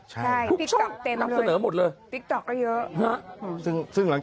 ใช่พลิกต๊อกเต็มเลยพลิกต๊อกเต็มเสนอหมดเลย